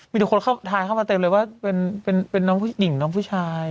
มีแต่คนเข้าทายเข้ามาเต็มเลยว่าเป็นน้องผู้หญิงน้องผู้ชาย